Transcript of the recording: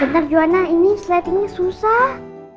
bentar juana ini slatingnya susah